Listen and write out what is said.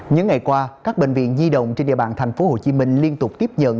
những ngày qua các bệnh viện di động trên địa bàn tp hcm liên tục tiếp nhận